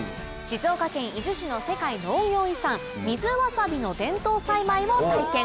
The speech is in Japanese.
静岡県伊豆市の世界農業遺産水わさびの伝統栽培を体験。